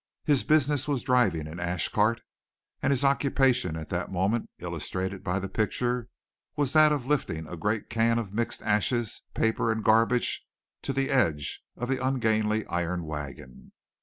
His business was driving an ash cart, and his occupation at the moment illustrated by the picture was that of lifting a great can of mixed ashes, paper and garbage to the edge of the ungainly iron wagon.